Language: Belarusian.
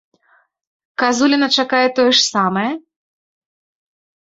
Казуліна чакае тое ж самае?